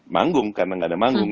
manggung karena nggak ada manggung